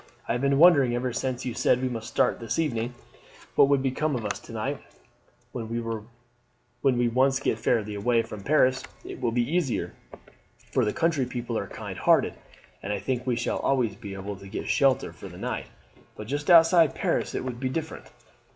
"I have been wondering ever since you said we must start this evening, what would become of us to night. When we once get fairly away from Paris it will be easier, for the country people are kind hearted, and I think we shall always be able to get shelter for the night; but just outside Paris it would be different.